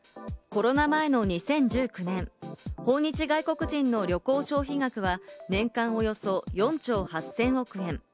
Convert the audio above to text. コロナ前の２０１９年、訪日外国人の旅行消費額は年間およそ４兆８０００億円。